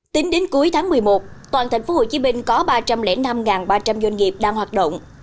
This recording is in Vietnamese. tính đến cuối tháng một mươi một toàn tp hcm có ba trăm linh năm ba trăm linh doanh nghiệp đang hoạt động